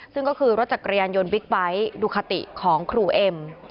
ซึ่งก็คือรถจักรยานยนต์บิ๊กไบท์ดูคาติของครูเอ็ม